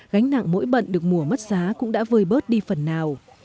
gánh nặng mỗi bận được mùa mất giá cũng đã vơi bớt đi phần nào